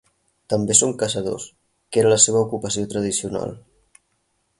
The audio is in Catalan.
També són caçadors, que era la seva ocupació tradicional.